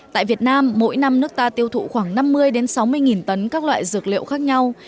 tại việt nam mỗi năm nước ta tiêu thụ khoảng năm mươi sáu mươi tấn các loại dược liệu khác nhau